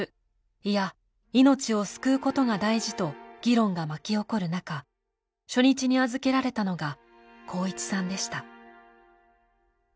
「いや命を救うことが大事」と議論が巻き起こるなか初日に預けられたのが航一さんでした。